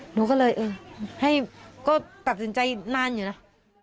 หนูก็เลยเออให้ก็ตัดสินใจนานอยู่นะ